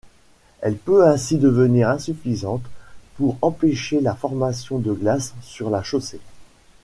Elle peut ainsi devenir insuffisante pour empêcher la formation de glace sur la chaussée.